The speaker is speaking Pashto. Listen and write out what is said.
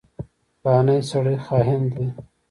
فلانی سړی خاين دی.